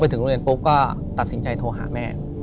ถูกต้องไหมครับถูกต้องไหมครับ